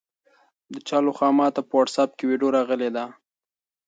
د چا لخوا ماته په واټساپ کې ویډیو راغلې ده؟